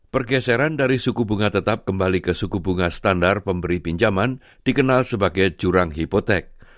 pergeseran dari suku bunga tetap kembali ke suku bunga standar pemberi pinjaman dikenal sebagai jurang hipotek